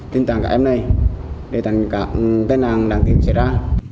tên tàng các em này để tăng các tên nàng đáng tiếc sẽ ra